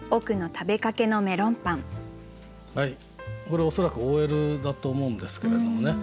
これ恐らくＯＬだと思うんですけれどもね